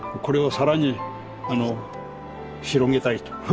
これを更に広げたいと。